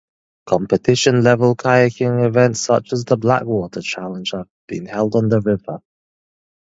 Competition-level kayaking events, such as the Blackwater Challenge, have been held on the river.